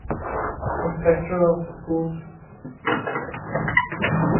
Inspector of Schools.